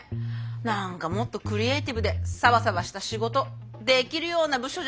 何かもっとクリエイティブでサバサバした仕事できるような部署じゃないと私無理かな。